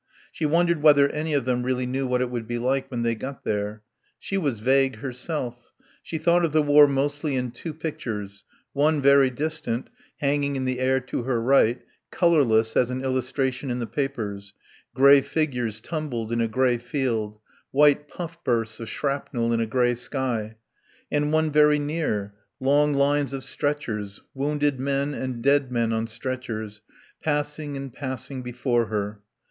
She wondered whether any of them really knew what it would be like when they got there. She was vague, herself. She thought of the war mostly in two pictures: one very distant, hanging in the air to her right, colourless as an illustration in the papers, grey figures tumbled in a grey field, white puff bursts of shrapnel in a grey sky: and one very near; long lines of stretchers, wounded men and dead men on stretchers, passing and passing before her.